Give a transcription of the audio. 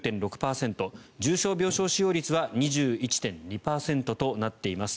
重症病床使用率は２１．２％となっています。